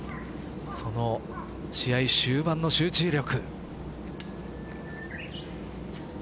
その試合終盤の集中力。